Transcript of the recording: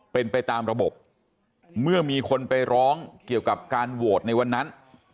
เป็นไปตามระบบเมื่อมีคนไปร้องเกี่ยวกับการโหวตในวันนั้น